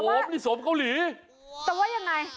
ผมนี่สวมเกาหลีแต่ว่ายังไง